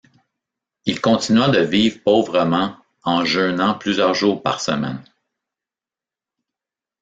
Il continua de vivre pauvrement en jeûnant plusieurs jours par semaine.